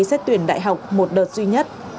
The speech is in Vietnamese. xét tuyển đại học một đợt duy nhất